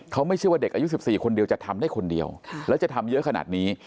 เขาไม่เชื่อว่าเด็กอายุ๑๔คนเดียวจะทำได้คนเดียวแล้วจะทำเยอะขนาดนี้